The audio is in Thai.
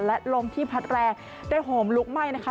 และลมที่พัดแรงได้โหมลุกไหม้นะคะ